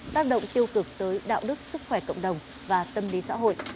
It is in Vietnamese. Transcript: tác động tiêu cực tới đạo đức sức khỏe cộng đồng và tâm lý xã hội